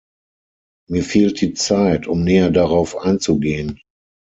Mir fehlt die Zeit, um näher darauf einzugehen.